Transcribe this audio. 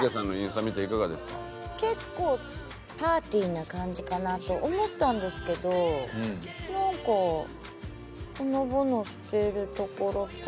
結構パーティーな感じかなと思ったんですけどなんかほのぼのしてるところと。